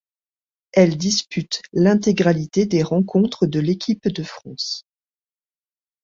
Elle dispute l'intégralité des rencontres de l'équipe de France.